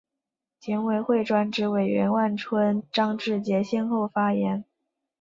检委会专职委员万春、张志杰先后发言